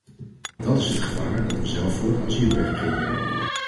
Dat is het gevaar dat we zelf voor het asielrecht creëren.